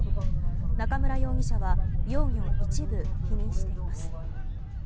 中村容疑者は容疑を一部否認しています。